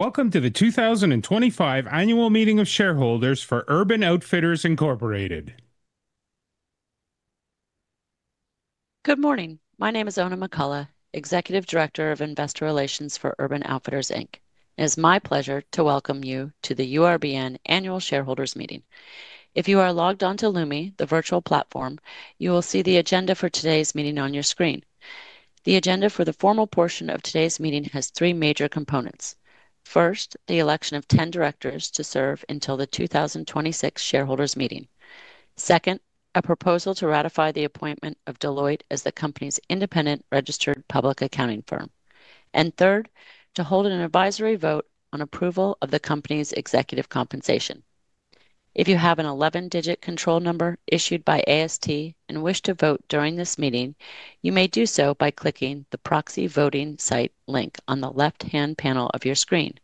Welcome to the 2025 Annual Meeting of Shareholders for Urban Outfitters, Inc Good morning. My name is Oona McCullough, Executive Director of Investor Relations for Urban Outfitters, Inc. It is my pleasure to welcome you to the URBN Annual Shareholders Meeting. If you are logged on to Lumi, the virtual platform, you will see the agenda for today's meeting on your screen. The agenda for the formal portion of today's meeting has three major components. First, the election of 10 directors to serve until the 2026 shareholders meeting. Second, a proposal to ratify the appointment of Deloitte as the company's independent registered public accounting firm. Third, to hold an advisory vote on approval of the company's executive compensation. If you have an 11-digit control number issued by AST and wish to vote during this meeting, you may do so by clicking the proxy voting site link on the left-hand panel of your screen.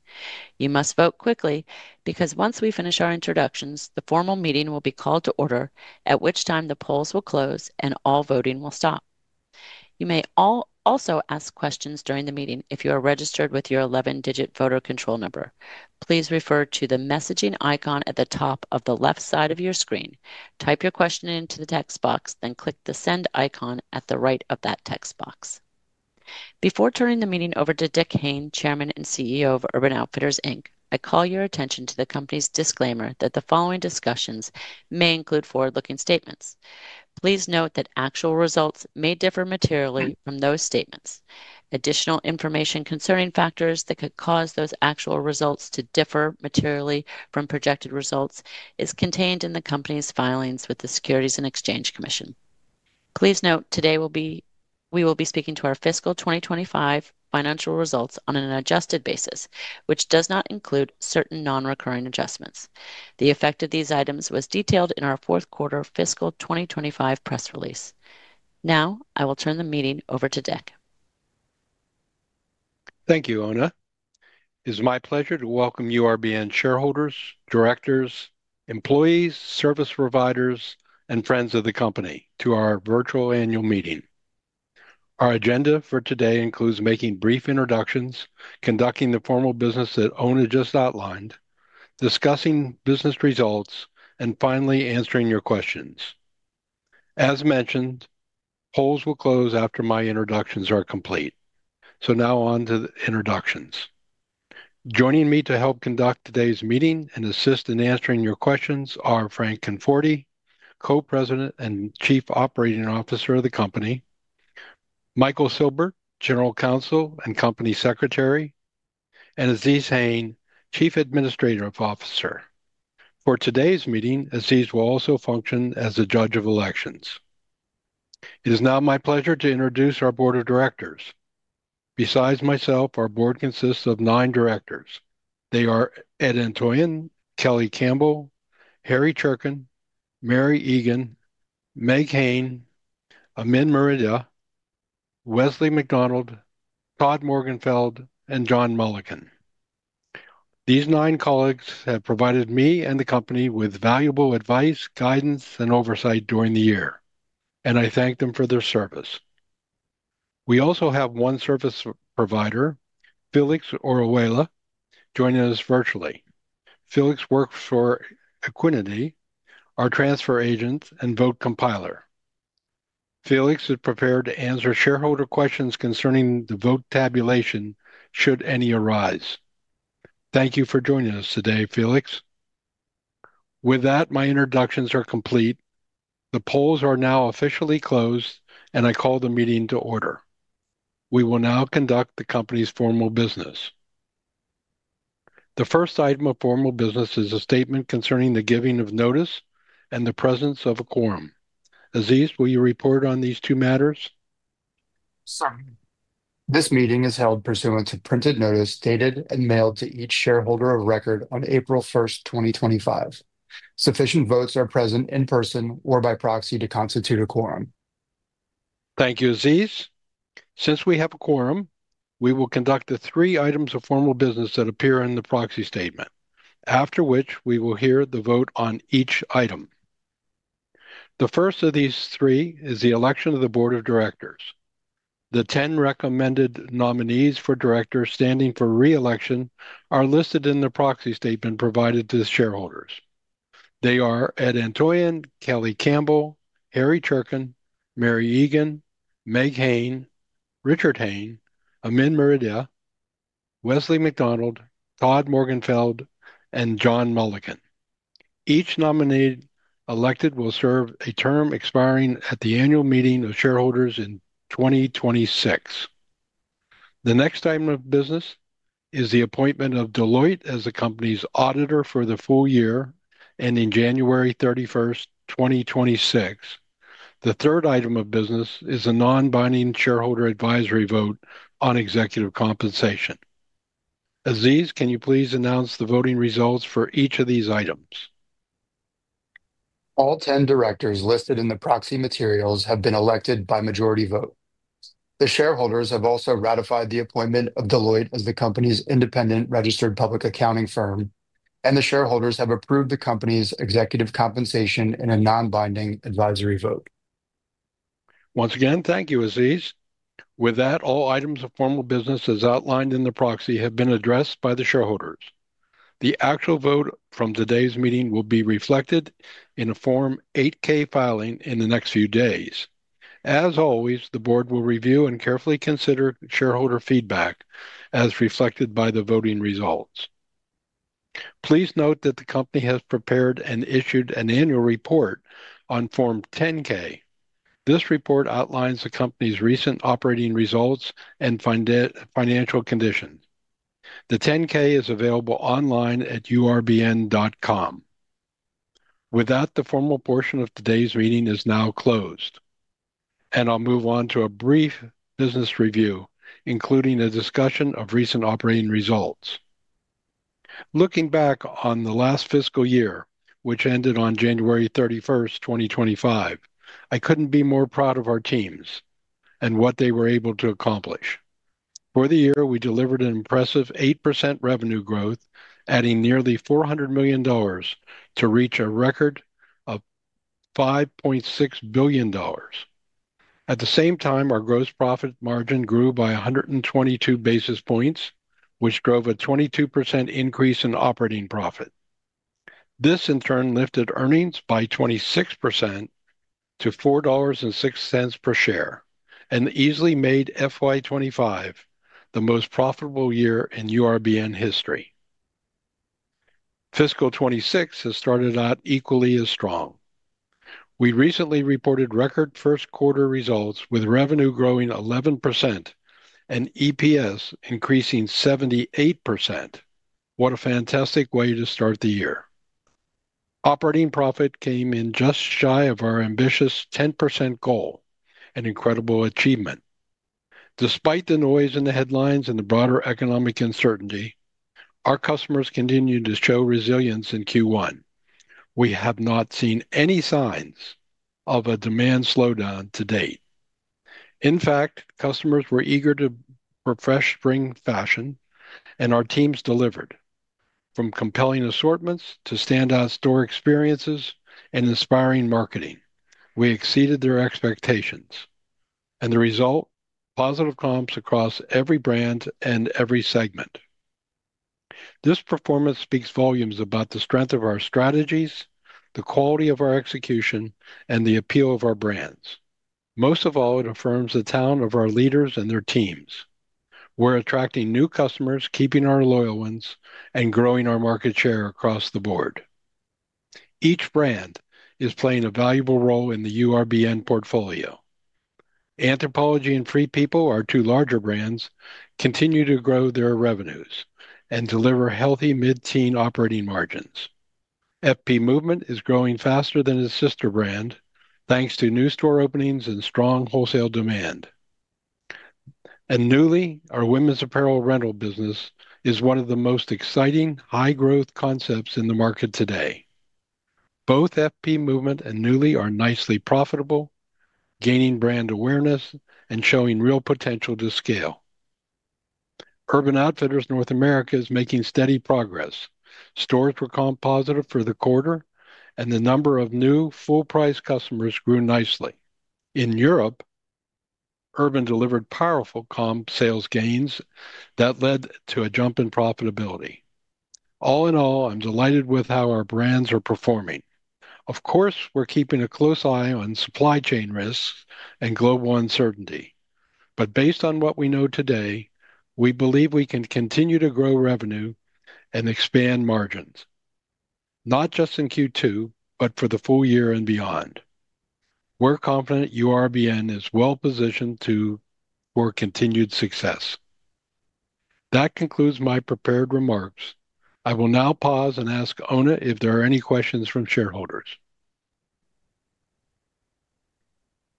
You must vote quickly because once we finish our introductions, the formal meeting will be called to order, at which time the polls will close and all voting will stop. You may also ask questions during the meeting if you are registered with your 11-digit voter control number. Please refer to the messaging icon at the top of the left side of your screen. Type your question into the text box, then click the send icon at the right of that text box. Before turning the meeting over to Dick Hayne, Chairman and CEO of Urban Outfitters Inc I call your attention to the company's disclaimer that the following discussions may include forward-looking statements. Please note that actual results may differ materially from those statements. Additional information concerning factors that could cause those actual results to differ materially from projected results is contained in the company's filings with the Securities and Exchange Commission. Please note today we will be speaking to our fiscal 2025 financial results on an adjusted basis, which does not include certain non-recurring adjustments. The effect of these items was detailed in our fourth quarter fiscal 2025 press release. Now I will turn the meeting over to Dick. Thank you, Oona. It is my pleasure to welcome URBN shareholders, directors, employees, service providers, and friends of the company to our virtual annual meeting. Our agenda for today includes making brief introductions, conducting the formal business that Oona just outlined, discussing business results, and finally answering your questions. As mentioned, polls will close after my introductions are complete. Now on to the introductions. Joining me to help conduct today's meeting and assist in answering your questions are Frank Conforti, Co-President and Chief Operating Officer of the company, Michael Silbert, General Counsel and Company Secretary, and Azeez Hayne, Chief Administrative Officer. For today's meeting, Azeez will also function as the Judge of Elections. It is now my pleasure to introduce our Board of Directors. Besides myself, our board consists of nine directors. They are Ed Antoian, Kelly Campbell, Harry Cherken, Mary Egan, Meg Hayne, Amin Maredia, Wesley McDonald, Todd Morgenfeld, and John Mulliken. These nine colleagues have provided me and the company with valuable advice, guidance, and oversight during the year, and I thank them for their service. We also have one service provider, Felix Orihuela, joining us virtually. Felix works for Equiniti, our transfer agent, and Vote Compiler. Felix is prepared to answer shareholder questions concerning the vote tabulation should any arise. Thank you for joining us today, Felix. With that, my introductions are complete. The polls are now officially closed, and I call the meeting to order. We will now conduct the company's formal business. The first item of formal business is a statement concerning the giving of notice and the presence of a quorum. Azeez, will you report on these two matters? Sir. This meeting is held pursuant to printed notice dated and mailed to each shareholder of record on April 1st, 2025. Sufficient votes are present in person or by proxy to constitute a quorum. Thank you, Azeez. Since we have a quorum, we will conduct the three items of formal business that appear in the proxy statement, after which we will hear the vote on each item. The first of these three is the election of the Board of Directors. The ten recommended nominees for directors standing for reelection are listed in the proxy statement provided to the shareholders. They are Ed Antoian, Kelly Campbell, Harry Cherken, Mary Egan, Meg Hayne, Richard Hayne, Amin Maredia, Wesley McDonald, Todd Morgenfeld, and John Mulliken. Each nominee elected will serve a term expiring at the annual meeting of shareholders in 2026. The next item of business is the appointment of Deloitte as the company's auditor for the full year ending January 31st, 2026. The third item of business is a non-binding shareholder advisory vote on executive compensation. Azeez, can you please announce the voting results for each of these items? All 10 directors listed in the proxy materials have been elected by majority vote. The shareholders have also ratified the appointment of Deloitte as the company's independent registered public accounting firm, and the shareholders have approved the company's executive compensation in a non-binding advisory vote. Once again, thank you, Azeez. With that, all items of formal business as outlined in the proxy have been addressed by the shareholders. The actual vote from today's meeting will be reflected in a Form 8-K filing in the next few days. As always, the board will review and carefully consider shareholder feedback as reflected by the voting results. Please note that the company has prepared and issued an annual report on Form 10-K. This report outlines the company's recent operating results and financial conditions. The 10-K is available online at urbn.com. With that, the formal portion of today's meeting is now closed, and I'll move on to a brief business review, including a discussion of recent operating results. Looking back on the last fiscal year, which ended on January 31st, 2025, I couldn't be more proud of our teams and what they were able to accomplish. For the year, we delivered an impressive 8% revenue growth, adding nearly $400 million to reach a record of $5.6 billion. At the same time, our gross profit margin grew by 122 basis points, which drove a 22% increase in operating profit. This, in turn, lifted earnings by 26% to $4.06 per share and easily made FY2025 the most profitable year in URBN history. Fiscal 2026 has started out equally as strong. We recently reported record first quarter results with revenue growing 11% and EPS increasing 78%. What a fantastic way to start the year. Operating profit came in just shy of our ambitious 10% goal, an incredible achievement. Despite the noise in the headlines and the broader economic uncertainty, our customers continued to show resilience in Q1. We have not seen any signs of a demand slowdown to date. In fact, customers were eager to refresh spring fashion, and our teams delivered. From compelling assortments to standout store experiences and inspiring marketing, we exceeded their expectations. The result? Positive comps across every brand and every segment. This performance speaks volumes about the strength of our strategies, the quality of our execution, and the appeal of our brands. Most of all, it affirms the talent of our leaders and their teams. We're attracting new customers, keeping our loyal ones, and growing our market share across the board. Each brand is playing a valuable role in the URBN portfolio. Anthropologie and Free People, our two larger brands, continue to grow their revenues and deliver healthy mid-teen operating margins. FP Movement is growing faster than its sister brand, thanks to new store openings and strong wholesale demand. Nuuly, our women's apparel rental business, is one of the most exciting high-growth concepts in the market today. Both FP Movement and Nuuly are nicely profitable, gaining brand awareness and showing real potential to scale. Urban Outfitters North America is making steady progress. Stores were comp positive for the quarter, and the number of new full-price customers grew nicely. In Europe, Urban delivered powerful comp sales gains that led to a jump in profitability. All in all, I'm delighted with how our brands are performing. Of course, we're keeping a close eye on supply chain risks and global uncertainty. Based on what we know today, we believe we can continue to grow revenue and expand margins, not just in Q2, but for the full year and beyond. We're confident URBN is well positioned for continued success. That concludes my prepared remarks. I will now pause and ask Oona if there are any questions from shareholders.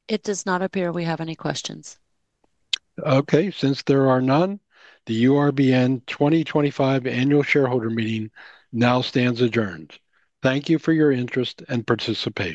It does not appear we have any questions. Okay. Since there are none, the URBN 2025 Annual Shareholder Meeting now stands adjourned. Thank you for your interest and participation.